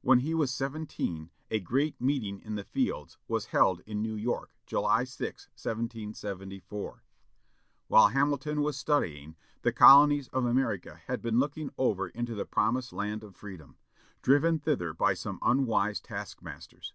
When he was seventeen, a "great meeting in the fields" was held in New York, July 6, 1774. While Hamilton was studying, the colonies of America had been looking over into the promised land of freedom, driven thither by some unwise task masters.